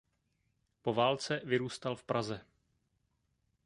Po válce vyrůstal v Praze.